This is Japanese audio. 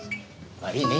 悪いね。